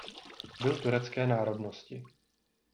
Byl turecké národnosti.